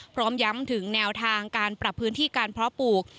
พร้อมย้ำถึงแนวทางการปรับพื้นที่การเพาะปลูก